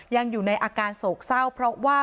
ยังอยู่ในอาการโศกเศร้าเพราะว่า